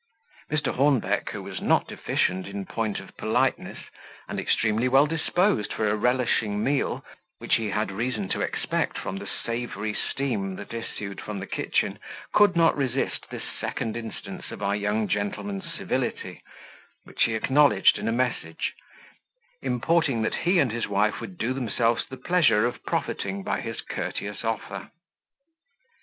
Mr. Hornbeck, who was not deficient in point of politeness, and extremely well disposed for a relishing meal, which he had reason to expect from the savoury steam that issued from the kitchen, could not resist this second instance of our young gentleman's civility, which he acknowledged in a message, importing that he and his wife would do themselves the pleasure of profiting by his courteous offer.